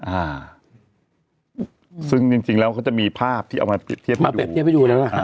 อ่าอืมซึ่งจริงจริงแล้วเขาจะมีภาพที่เอามาเปรียบเทียบมาดูมาเปรียบให้ดูนะฮะอ่า